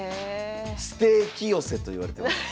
ステーキ寄せといわれてます。